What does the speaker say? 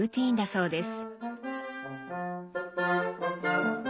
そうです。